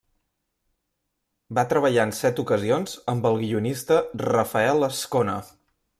Va treballar en set ocasions amb el guionista Rafael Azcona.